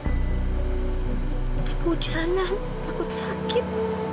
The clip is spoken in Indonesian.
kegujalan takut sakit